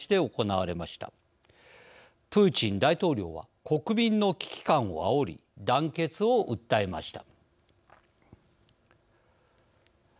プーチン大統領は国民の危機感をあおり団結を訴えました。